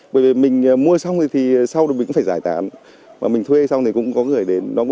bởi vì mình mua xong thì sau đó mình cũng phải giải tán mà mình thuê xong thì cũng có gửi đến